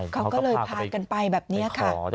เขาก็เลยพากันไปแบบนี้ค่ะ